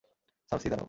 সার্সি, দাঁড়াও!